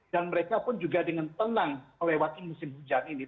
dan mereka pun juga dengan tenang melewati musim hujan ini